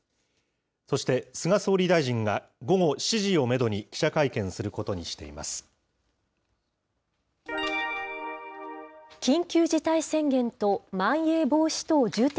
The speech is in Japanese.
そして、菅総理大臣が午後７時をメドに、記者会見することにしています。